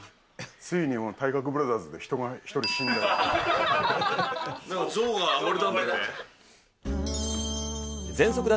ついに体格ブラザーズで人が１人死んだ。